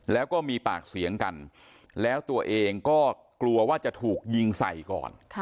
แล้วก็มีปากเสียงกันแล้วตัวเองก็กลัวว่าจะถูกยิงใส่ก่อน